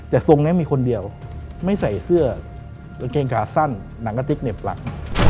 แต่ทรงนี้มีคนเดียวไม่ใส่เสื้อกางเกงขาสั้นหนังกะติ๊กเหน็บปลัก